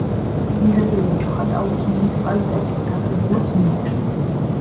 მიღებულია ჩოხატაურის მუნიციპალიტეტის საკრებულოს მიერ.